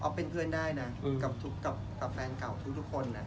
เป็นเพื่อนได้นะกับแฟนเก่าทุกคน